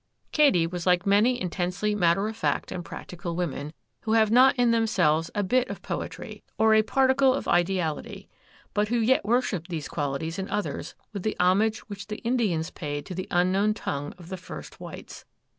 Katy was like many intensely matter of fact and practical women, who have not in themselves a bit of poetry or a particle of ideality, but who yet worship these qualities in others with the homage which the Indians paid to the unknown tongue of the first whites.